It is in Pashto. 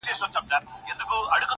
• ځم د جنون په زولنو کي به لیلا ووینم -